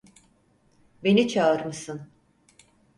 Beni çağırmışsın.